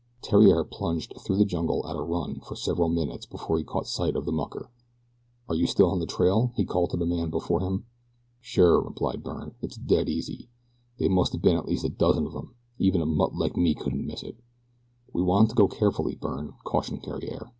Theriere plunged through the jungle at a run for several minutes before he caught sight of the mucker. "Are you still on the trail?" he called to the man before him. "Sure," replied Byrne. "It's dead easy. They must o' been at least a dozen of 'em. Even a mutt like me couldn't miss it." "We want to go carefully, Byrne," cautioned Theriere.